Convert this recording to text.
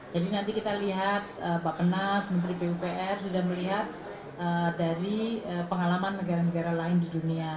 jadi nanti kita lihat bapak penas menteri pupr sudah melihat dari pengalaman negara negara lain di dunia